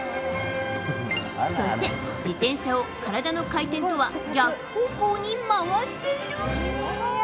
そして、自転車を体の回転とは逆方向に回している。